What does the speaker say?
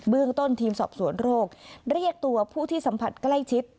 ต้นทีมสอบสวนโรคเรียกตัวผู้ที่สัมผัสใกล้ชิด